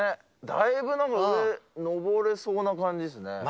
だいぶなんか上登れそうな感じですね。